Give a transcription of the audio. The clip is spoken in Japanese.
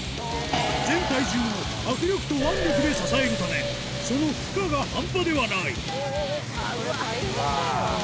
全体重を握力と腕力で支えるため、その負荷が半端ではない。